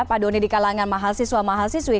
pak doni di kalangan mahasiswa mahasiswi